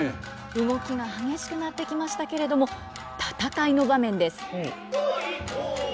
動きが激しくなってきましたけれども戦いの場面です。